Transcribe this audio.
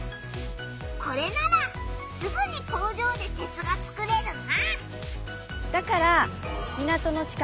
これならすぐに工場で鉄が作れるな！